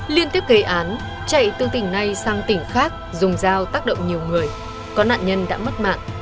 liên tiếp gây án chạy từ tỉnh này sang tỉnh khác dùng dao tác động nhiều người có nạn nhân đã mất mạng